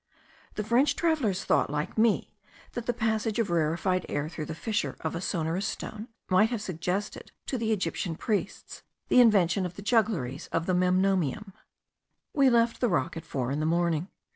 The French travellers thought, like me, that the passage of rarefied air through the fissures of a sonorous stone might have suggested to the Egyptian priests the invention of the juggleries of the Memnomium. We left the rock at four in the morning.